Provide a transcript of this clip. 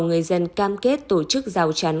người dân cam kết tổ chức rào chắn